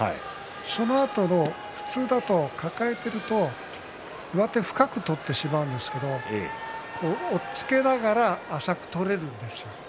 そのあとも普通だと抱えていると上手を深く取ってしまうんですけど押っつけながら浅く取れるんです。